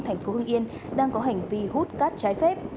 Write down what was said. thành phố hưng yên đang có hành vi hút cát trái phép